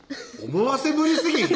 思わせぶりすぎひん？